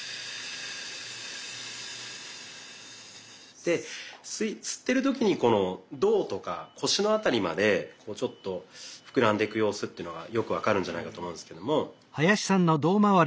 で吸ってる時に胴とか腰のあたりまでちょっと膨らんでく様子というのがよく分かるんじゃないかと思うんですけども。